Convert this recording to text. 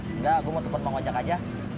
enggak gue mau tumpen pak wajah aja